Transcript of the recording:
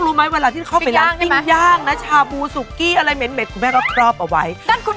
คุณแม่ก็ต้องมีนี่ไง